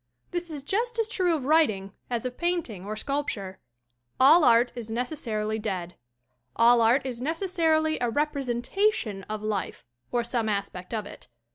This is just as true of writing as of painting or sculpture. All art is necessarily dead. All art is necessarily a representation of life or some aspect of it.